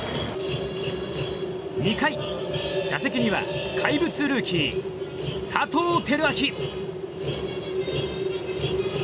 ２回、打席には怪物ルーキー佐藤輝明。